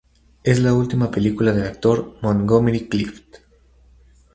Es la última película del actor Montgomery Clift.